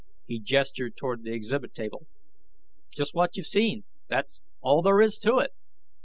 He gestured toward the exhibit table. "Just what you've seen; that's all there is to it."